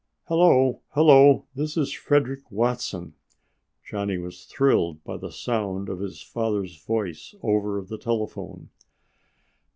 "Hello. Hello. This is Frederick Watson." Johnny was thrilled by the sound of his father's voice over the telephone.